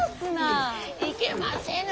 いけませぬ。